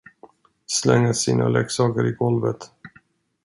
Slänga sina leksaker i golvet.